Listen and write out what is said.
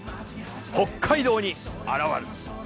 北海道に現る。